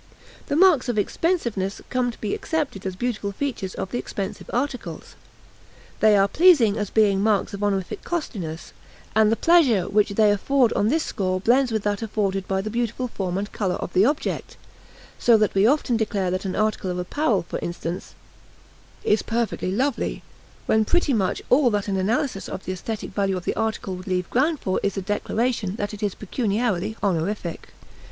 The marks of expensiveness come to be accepted as beautiful features of the expensive articles. They are pleasing as being marks of honorific costliness, and the pleasure which they afford on this score blends with that afforded by the beautiful form and color of the object; so that we often declare that an article of apparel, for instance, is "perfectly lovely," when pretty much all that an analysis of the aesthetic value of the article would leave ground for is the declaration that it is pecuniarily honorific.